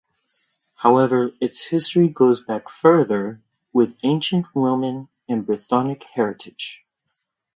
However its history goes back further, with ancient Roman and Brythonic heritage.